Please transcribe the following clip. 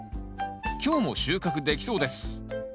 今日も収穫できそうです。